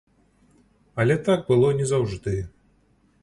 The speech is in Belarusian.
Але так было не заўжды.